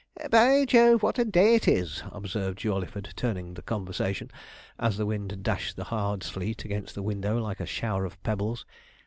'By Jove, what a day it is!' observed Jawleyford, turning the conversation, as the wind dashed the hard sleet against the window like a shower of pebbles.